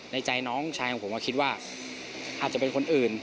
ในใจน้องชายของผมก็คิดว่าอาจจะเป็นคนอื่น